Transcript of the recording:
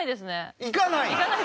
行かない？